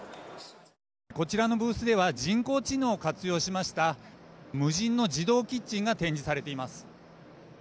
こちらのブースでは人工知能を活用しました無人の自動キッチンが展示されています。